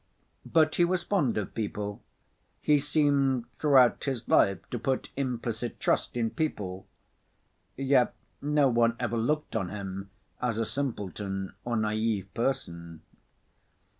But he was fond of people: he seemed throughout his life to put implicit trust in people: yet no one ever looked on him as a simpleton or naïve person.